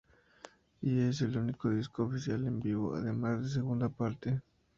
Y es el único disco oficial en vivo además de su segunda parte.